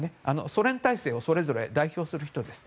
ソ連体制をそれぞれ代表する人です。